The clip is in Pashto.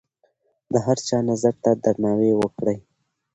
د هر چا نظر ته درناوی وکړئ.